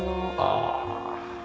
ああ。